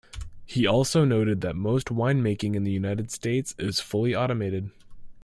He also noted that most winemaking in the United States is fully automated.